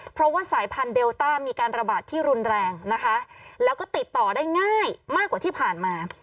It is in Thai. เพราะว่าสายพันธุเดลต้ามีการระบาดที่รุนแรงนะคะแล้วก็ติดต่อได้ง่ายมากกว่าที่ผ่านมา